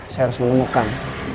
saya harus menemukan